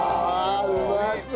うまそう。